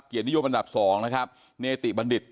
เกียรติ้ยมอันดับ๒นะครับเนติบัณฑฤต